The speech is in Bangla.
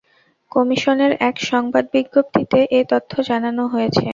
কমিশনের এক সংবাদ বিজ্ঞপ্তিতে এ তথ্য জানানো হয়েছে।